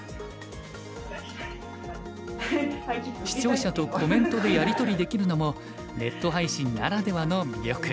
視聴者とコメントでやり取りできるのもネット配信ならではの魅力。